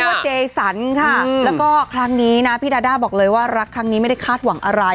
เจสันค่ะแล้วก็ครั้งนี้นะพี่ดาด้าบอกเลยว่ารักครั้งนี้ไม่ได้คาดหวังอะไร